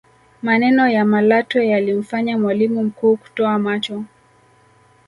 maneno ya malatwe yalimfanya mwalimu mkuu kutoa macho